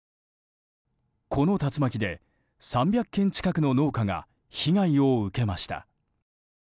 この竜巻で３００軒近くの農家が被害を受けました。